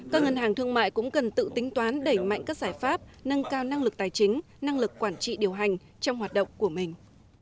các ngân hàng thương mại cũng cần tự tính toán đẩy mạnh các giải pháp nâng cao năng lực tài chính năng lực quản trị điều hành trong hoạt động của mình